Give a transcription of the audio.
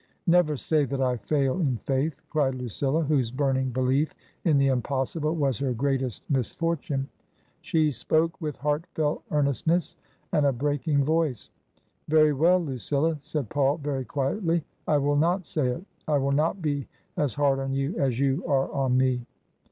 " Never say that I fail in faith !" cried Lucilla, whose burning belief in the impossible was her greatest mis fortune. She spoke with heartfelt earnestness and a breaking voice. " Very well, Lucilla," said Paul, very quietly, " I will not say it. I will not be as hard on you as you are on me.